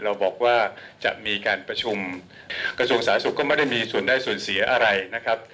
เราบอกว่าจะมีการประชุมกระทรวงสาธารณสุขก็ไม่ได้มีส่วนได้ส่วนเสียอะไรนะครับ